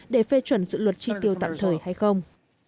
để phê chuẩn dự luật tri tiêu tạm thời hay không